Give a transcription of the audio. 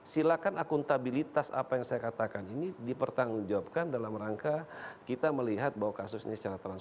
silakan akuntabilitas apa yang saya katakan ini dipertanggungjawabkan dalam rangka kita melihat bahwa kasus ini secara transpa